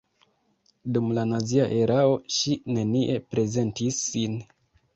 Dum la nazia erao ŝi nenie prezentis sin.